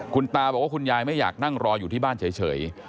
คุณตาบอกว่าคุณยายไม่อยากนั่งรออยู่ที่บ้านเฉย